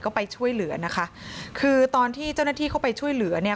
ก็ไปช่วยเหลือนะคะคือตอนที่เจ้าหน้าที่เข้าไปช่วยเหลือเนี่ย